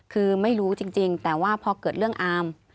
คือไม่รู้จริงแต่ว่าพอเกิดเรื่องอาม